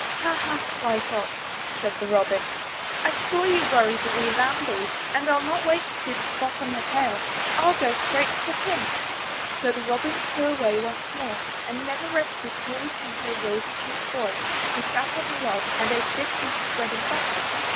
"Ha! Ha! sly Fox," said the Robin, *'I saw you worry the wee lambie, and Til not wait to see the spot on your tail. Til go straight on to the King." So the Robin flew away once more, and never rested till he came to a rosy cheeked boy, who sat on a log and ate a big piece of bread and butter.